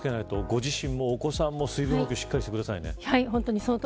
ご自身もお子さんも水分補給をしっかりしてくださいね。